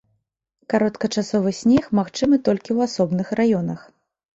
Кароткачасовы снег магчымы толькі ў асобных раёнах.